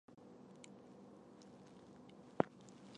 桑吉二号佛塔也被认定为描绘佛陀本生变相图的发源地。